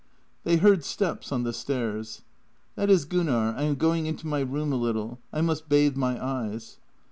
They heard steps on the stairs. " That is Gunnar. I am going into my room a little. I must bathe my eyes."